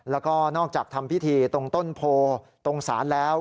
แล้วก็นอกจากทำพิธีตรงต้นโพตรงศาลแล้ว